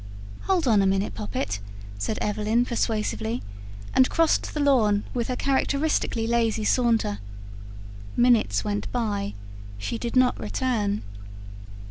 "Hold on a minute, Poppet," said Evelyn persuasively, and crossed the lawn with her characteristically lazy saunter. Minutes went by; she did not return.